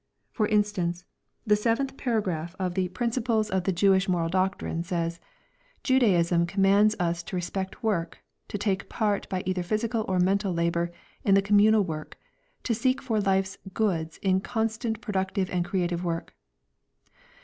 For instance, the seventh paragraph of the "Principles of the Jewish Moral Doctrine" says: "Judaism commands us to respect work, to take part by either physical or mental labour in the communal work, to seek for life's goods in constant productive and creative work.